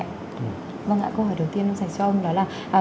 câu hỏi đầu tiên tôi sẽ cho ông là